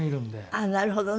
ああなるほどね。